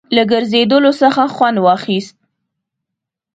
له ګرځېدلو څخه خوند واخیست.